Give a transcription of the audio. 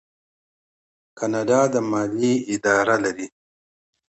کاناډا د مالیې اداره لري.